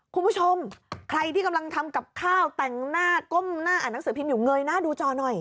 คุณผู้ชมใครที่กำลังทำกับข้าวแต่งหน้าก้มหน้าอ่านหนังสือพิมพ์อยู่เงยหน้าดูจอหน่อย